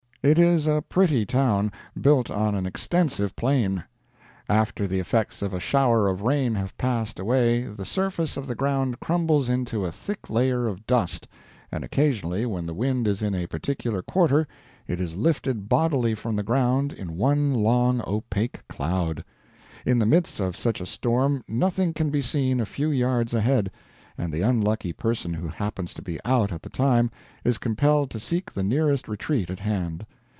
It is a pretty town, built on an extensive plain .... After the effects of a shower of rain have passed away the surface of the ground crumbles into a thick layer of dust, and occasionally, when the wind is in a particular quarter, it is lifted bodily from the ground in one long opaque cloud. In the midst of such a storm nothing can be seen a few yards ahead, and the unlucky person who happens to be out at the time is compelled to seek the nearest retreat at hand.